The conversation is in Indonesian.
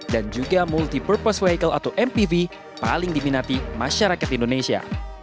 dan juga multi purpose vehicle atau mpv paling diminati masyarakat indonesia